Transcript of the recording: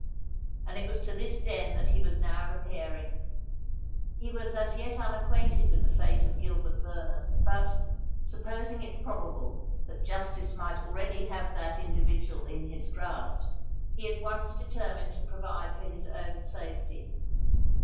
And it was to this den that he was now repairing. He was as yet unacquainted with the fate of Gilbert Vernon; but, supposing it probable that justice might already have that individual in his grasp, he at once determined to provide for his own safety.